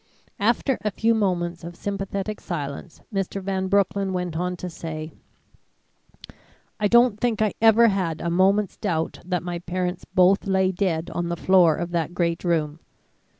After a few moments of sympathetic silence, Mr. Van Broecklyn went on to say: "I don't think I ever had a moment's doubt that my parents both lay dead on the floor of that great room.